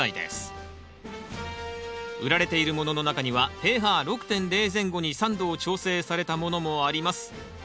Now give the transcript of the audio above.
売られているものの中にはｐＨ６．０前後に酸度を調整されたものもあります。